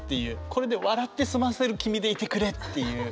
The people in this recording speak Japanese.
これで笑って済ませる君でいてくれっていう。